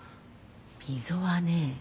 溝はね